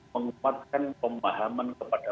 menguatkan pemahaman kepada